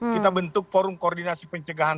kita bentuk forum koordinasi pencegahan